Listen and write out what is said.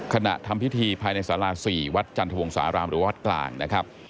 ขณะทำพิธีภายในสารา๔วัดจันทวงสารามหรือวัดกลางนะครับ